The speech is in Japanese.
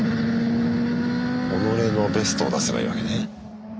己のベストを出せばいいわけね。